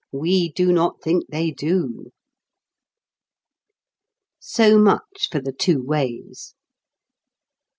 We do not think they do." So much for the two ways.